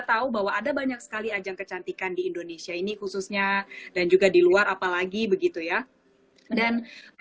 tahu bahwa ada banyak sekali ajang kecantikan di indonesia ini khususnya dan juga di luar apalagi begitu ya dan